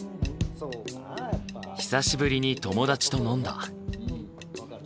久しぶりに友達と飲んだ。